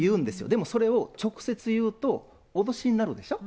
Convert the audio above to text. でもそれを直接言うと脅しになるでしょ。